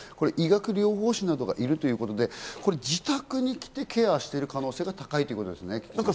理学療法士などがいるということで、自宅に来てケアしている可能性が高いということですね。